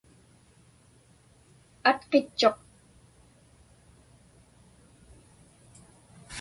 Atqitchuq.